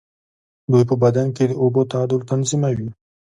دوی په بدن کې د اوبو تعادل تنظیموي.